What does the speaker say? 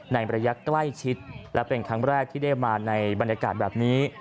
ในระยะใกล้ชิดและเป็นครั้งแรกที่ได้มาในบรรยากาศแบบนี้